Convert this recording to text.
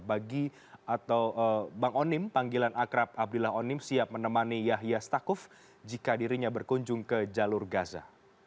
bagi atau bang onim panggilan akrab abdillah onim siap menemani yahya stakuf jika dirinya berkunjung ke jalur gaza